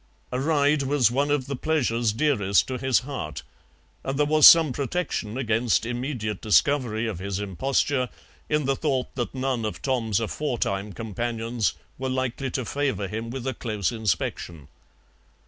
A ride was one of the pleasures dearest to his heart, and there was some protection against immediate discovery of his imposture in the thought that none of Tom's aforetime companions were likely to favour him with a close inspection.